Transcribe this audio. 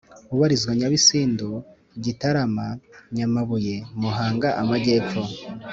ubarizwa Nyabisindu Gitarama Nyamabuye Muhanga Amajyepfo